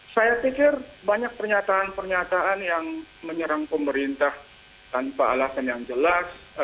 saya pikir banyak pernyataan pernyataan yang menyerang pemerintah tanpa alasan yang jelas